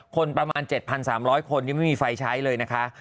คนประมาณ๗๓๐๐คนยังไม่มีไฟใช้เลยนะคะ